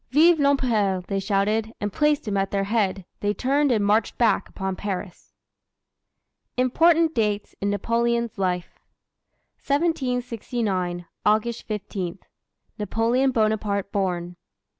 "Vive l'Empereur!" they shouted; and placing him at their head, they turned and marched back upon Paris. IMPORTANT DATES IN NAPOLEON'S LIFE 1769. August 15. Napoleon Bonaparte born.